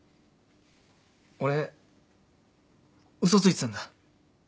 俺嘘ついてたんだ。